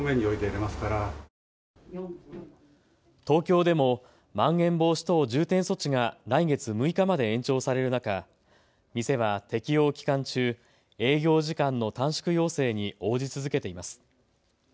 東京でもまん延防止等重点措置が来月６日まで延長される中、店は適用期間中、営業時間の短縮要請に応じ続けています。